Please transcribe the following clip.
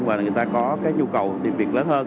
và người ta có cái nhu cầu tìm việc lớn hơn